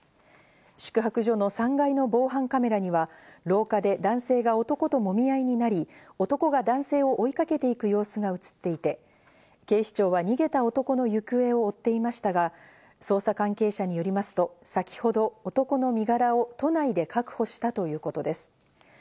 宿泊所の３階の防犯カメラには廊下で男性が男ともみ合いになり、男が男性を追いかけていく様子が映っていて、警視庁は逃げた男の行方を追っていましたが、捜査関係者によりますと、先ほど男の身柄を都内で確保したということです。